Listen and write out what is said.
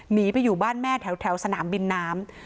หนีไปอยู่บ้านแม่แถวสนามบินน้ำ